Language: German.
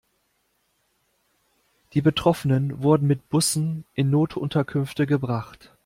Die Betroffenen wurden mit Bussen in Notunterkünfte gebracht.